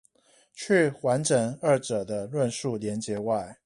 去完整二者的論述連結外